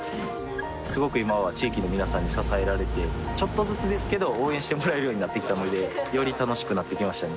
すごく今は地域の皆さんに支えられてちょっとずつですけど応援してもらえるようになってきたのでより楽しくなってきましたね